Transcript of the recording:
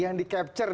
yang di capture